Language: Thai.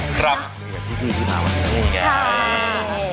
เตรียมกับพี่ที่มาทำด้วยกัน